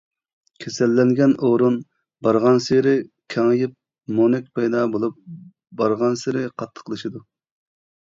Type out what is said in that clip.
كېسەللەنگەن ئورۇن بارغانسېرى كېڭىيىپ، مونەك پەيدا بولۇپ، بارغانسېرى قاتتىقلىشىدۇ.